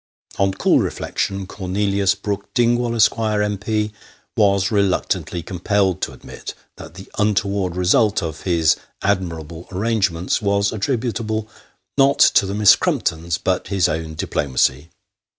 On cool reflection, Cornelius Brook Dingwall, Esq., M.P., was reluctantly compelled to admit that the untoward result of his admirable arrangements was attributable, not to the Miss Crumptons, but his own diplomacy.